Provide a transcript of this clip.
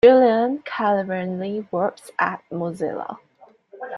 Julian currently works at Mozilla.